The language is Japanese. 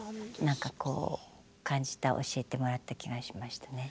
何かこう感じた教えてもらった気がしましたね。